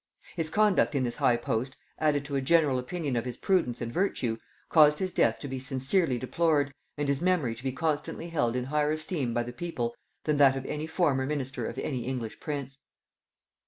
His conduct in this high post, added to a general opinion of his prudence and virtue, caused his death to be sincerely deplored and his memory to be constantly held in higher esteem by the people than that of any former minister of any English prince.